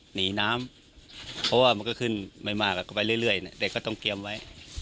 หนีน้ำเพราะว่ามันก็ขึ้นไม่มากก็ไปเรื่อยเด็กก็ต้องเตรียมไว้